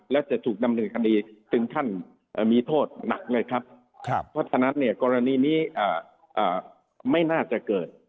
และจะถูกดำเนินคดีถึงขั้นมีโทษหนักเลยครับเพราะฉะนั้นเนี่ยกรณีนี้ไม่น่าจะเกิด